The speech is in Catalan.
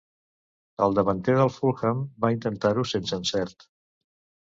El davanter del Fulham va intentar-ho sense encert.